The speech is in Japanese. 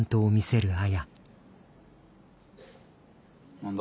何だ？